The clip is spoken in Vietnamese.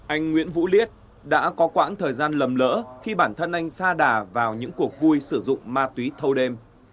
anh nguyễn vũ liết đã có quãng thời gian lầm lỡ khi bản thân anh xa đà vào những cuộc vui sử dụng ma túy thâu đêm